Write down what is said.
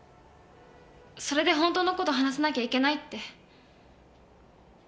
それで本当の事話さなきゃいけないって。